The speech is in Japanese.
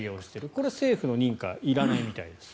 これは政府の認可いらないみたいです。